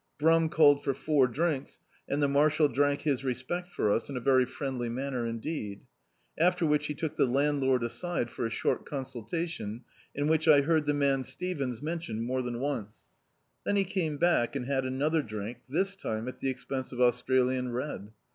Brum called for four drinks, and the marshal drank his respect for us in a very friendly manner indeed. After which he took the landlord aside for a short consultation, in which I heard the man Stevens men tioned more than once. Then he came back and had another drink, this time at the expense of Australian Red.